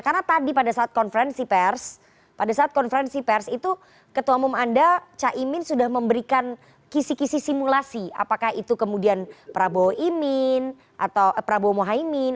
karena tadi pada saat konferensi pers pada saat konferensi pers itu ketua umum anda caimin sudah memberikan kisi kisi simulasi apakah itu kemudian prabowo imin atau prabowo muhyamin